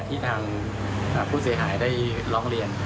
ที่ทางผู้เสียหายได้ร้องเรียน